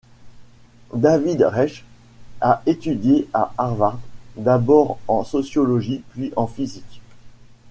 David Reich a étudié à Harvard, d'abord en sociologie, puis en physique.